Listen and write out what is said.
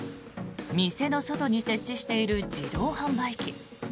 店の外に設置している自動販売機。